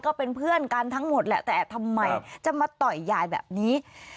ก็เป็นเพื่อนกันทั้งหมดแหละแต่ทำไมจะมาต่อยยายแบบนี้